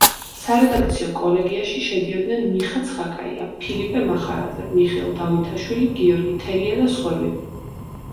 სარედაქციო კოლეგიაში შედიოდნენ მიხა ცხაკაია, ფილიპე მახარაძე, მიხეილ დავითაშვილი, გიორგი თელია და სხვები.